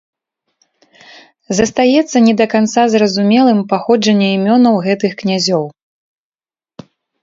Застаецца не да канца зразумелым паходжанне імёнаў гэтых князёў.